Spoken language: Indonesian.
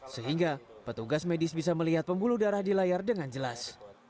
sehingga petugas medis bisa melihat pembuluh darah di layar dengan jelas